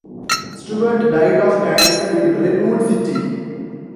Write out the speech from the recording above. Stuart died of cancer in Redwood City.